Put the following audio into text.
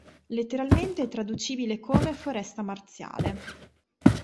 Letteralmente è traducibile come Foresta Marziale.